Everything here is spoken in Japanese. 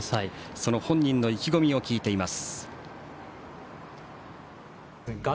その本人の意気込みを聞いています。